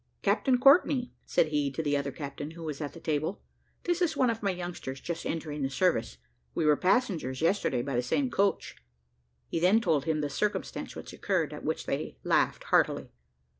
"Captain Courtney," said he to the other captain, who was at the table, "this is one of my youngsters, just entering the service. We were passengers yesterday by the same coach." He then told him the circumstance which occurred, at which they laughed heartily.